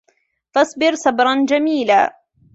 فاصبر صبرا جميلا